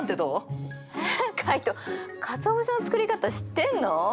えっカイトかつお節の作り方知ってんの？